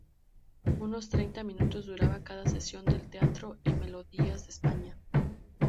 Unos treinta minutos duraba cada sesión del Teatro y Melodías de España.